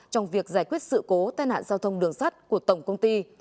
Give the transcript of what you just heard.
trong việc giải quyết sự cố tai nạn giao thông đường sắt của tổng công ty